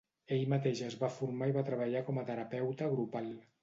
Ell mateix es va formar i va treballar com a terapeuta grupal.